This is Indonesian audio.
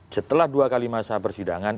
setelah dua kali masa persidangan